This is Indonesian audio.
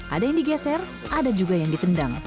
ada yang digeser ada juga yang ditendang